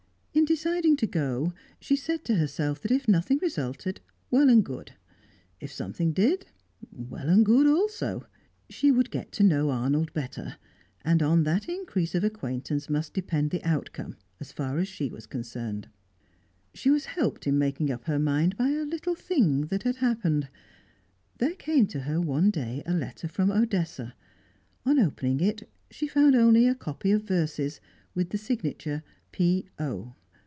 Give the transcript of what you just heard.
In deciding to go, she said to herself that if nothing resulted, well and good; if something did, well and good also. She would get to know Arnold better, and on that increase of acquaintance must depend the outcome, as far as she was concerned. She was helped in making up her mind by a little thing that happened. There came to her one day a letter from Odessa; on opening it, she found only a copy of verses, with the signature "P.O."